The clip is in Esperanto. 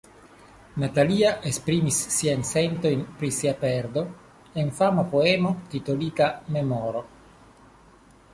Natalia esprimis siajn sentojn pri sia perdo en fama poemo titolita "Memoro".